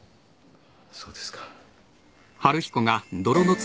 そうですか。